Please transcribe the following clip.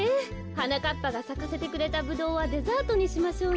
はなかっぱがさかせてくれたブドウはデザートにしましょうね。